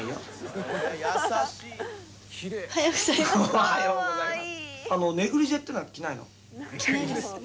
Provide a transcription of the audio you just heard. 「おはようございます」